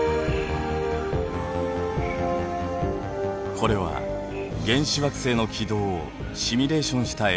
これは原始惑星の軌道をシミュレーションした映像です。